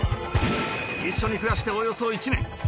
一緒に暮らしておよそ１年。